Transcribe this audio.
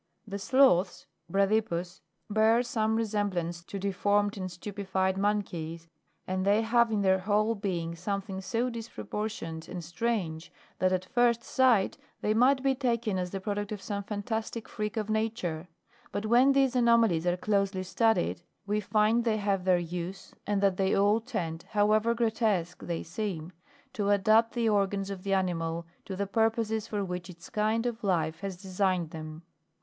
2. The SLOTHS, Bradypus, bear some resemblance to de formed and stupified monkeys, and they have in their whole being something so disproportioned and strange, that at first sight they might be taken as the product of some fantastic freak of nature ; but when these anomalies are closely studied, we find they have their use, and that they all tend, however grotesque they seem, to adapt the organs of the animal to the purposes for which its kind of life has designed them.